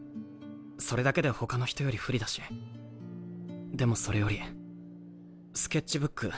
それだけでほかの人より不利だしでもそれよりスケッチブック